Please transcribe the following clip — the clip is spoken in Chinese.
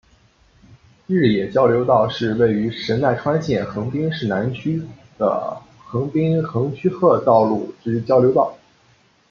日野交流道是位于神奈川县横滨市南区的横滨横须贺道路之交流道。